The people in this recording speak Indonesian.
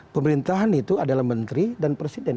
pemerintahan itu adalah menteri dan presiden